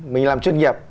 mình làm chuyên nghiệp